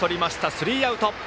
スリーアウト。